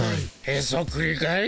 へそくりかい？